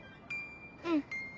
うん。